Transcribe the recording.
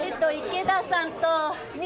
池田さんと。